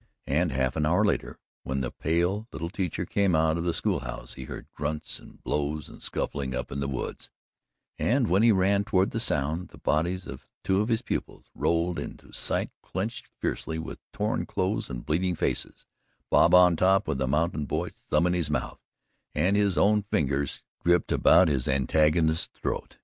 And half an hour later, when the pale little teacher came out of the school house, he heard grunts and blows and scuffling up in the woods, and when he ran toward the sounds, the bodies of two of his pupils rolled into sight clenched fiercely, with torn clothes and bleeding faces Bob on top with the mountain boy's thumb in his mouth and his own fingers gripped about his antagonist's throat.